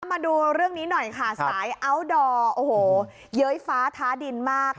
มาดูเรื่องนี้หน่อยค่ะสายอัลดอร์โอ้โหเย้ยฟ้าท้าดินมาก